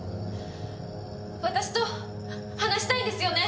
私と話したいんですよね。